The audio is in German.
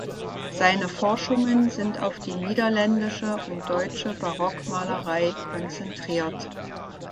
Seine Forschungen sind auf die niederländische und deutsche Barockmalerei konzentriert.